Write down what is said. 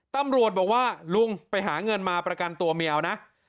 ตำรวจบอกว่าลุงไปหาเงินมาประกันตัวเมียวนะ